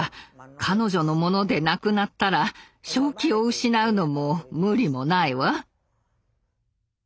彼女のものでなくなったら正気を失うのも無理もないわ。